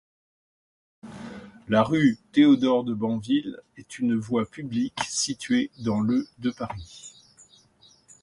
La rue Théodore-de-Banville est une voie publique située dans le de Paris.